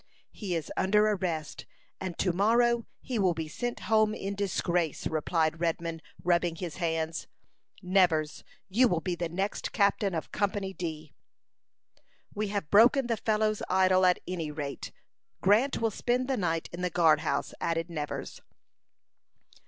"He is under arrest, and to morrow he will be sent home in disgrace," replied Redman, rubbing his hands. "Nevers, you will be the next captain of Company D." "We have broken the fellows' idol, at any rate. Grant will spend the night in the guard house," added Nevers.